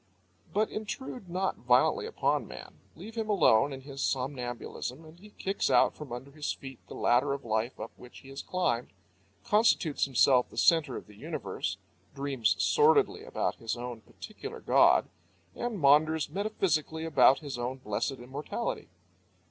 But intrude not violently upon man, leave him alone in his somnambulism, and he kicks out from under his feet the ladder of life up which he has climbed, constitutes himself the centre of the universe, dreams sordidly about his own particular god, and maunders metaphysically about his own blessed immortality.